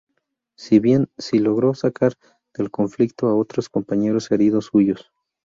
Si bien, sí logró sacar del conflicto a otros compañeros heridos suyos.